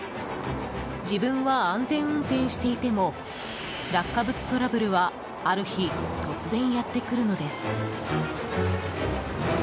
自分は安全運転していても落下物トラブルはある日、突然やってくるのです。